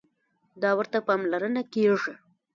دا ورته پاملرنه کېږي.